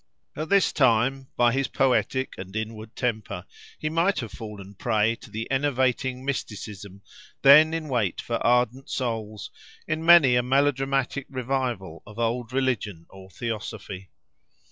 At this time, by his poetic and inward temper, he might have fallen a prey to the enervating mysticism, then in wait for ardent souls in many a melodramatic revival of old religion or theosophy.